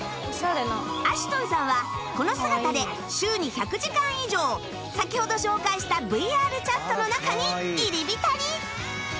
アシュトンさんはこの姿で週に１００時間以上先ほど紹介した ＶＲＣｈａｔ の中に入り浸り！